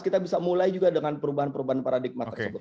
kita bisa mulai juga dengan perubahan perubahan paradigma tersebut